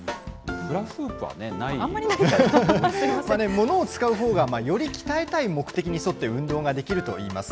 物を使うほうが、より鍛えたい目的に沿って運動ができるといいます。